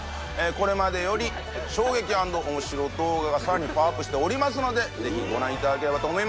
これまでより衝撃＆面白動画が更にパワーアップしておりますのでぜひご覧いただければと思います。